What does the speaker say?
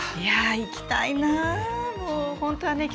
行きたい！